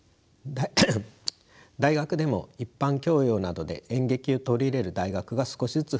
大学でも一般教養などで演劇を取り入れる大学が少しずつ増えています。